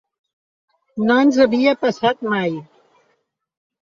No ens havia passat mai.